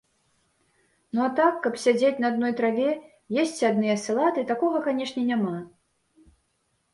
Ну а так, каб сядзець на адной траве, есці адныя салаты, такога, канешне, няма.